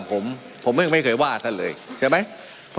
มันมีมาต่อเนื่องมีเหตุการณ์ที่ไม่เคยเกิดขึ้น